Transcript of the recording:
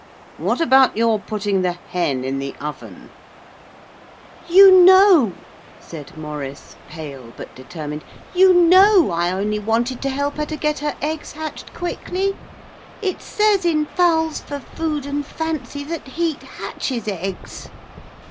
What about your putting the hen in the oven?' 'You know,' said Maurice, pale but determined, 'you know I only wanted to help her to get her eggs hatched quickly. It says in "Fowls for Food and Fancy" that heat hatches eggs.'